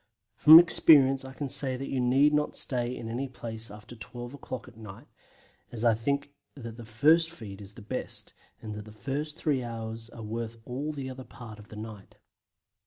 From experience I can say that you need not stay in any place after 12 o'clock at night, as I think that the first feed is the best, and that the first three hours are worth all the other part of the night.